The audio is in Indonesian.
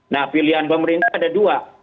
nah pilihan pemerintah ada dua